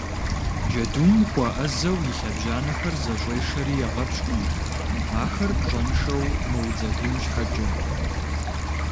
Джэдум хуэӏэзэу и лъэбжьанэхэр зэщӏешэри егъэпщкӏу, ахэр пщӏэншэу мыудзэгун щхьэкӏэ.